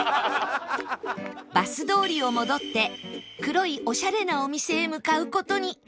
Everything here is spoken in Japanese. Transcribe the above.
バス通りを戻って黒いオシャレなお店へ向かう事に